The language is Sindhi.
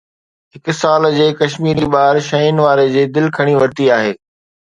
هڪ سال جي ڪشميري ٻار شين وارن جي دل کٽي ورتي آهي